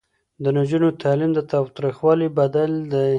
د نجونو تعلیم د تاوتریخوالي بدیل دی.